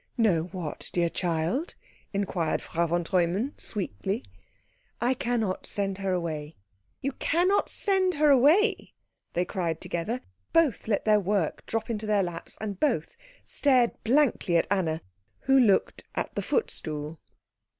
"No what, dear child?" inquired Frau von Treumann sweetly. "I cannot send her away." "You cannot send her away?" they cried together. Both let their work drop into their laps, and both stared blankly at Anna, who looked at the footstool.